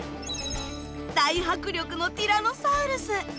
大迫力のティラノサウルス。